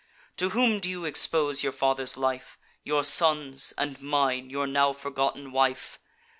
To whom do you expose your father's life, Your son's, and mine, your now forgotten wife!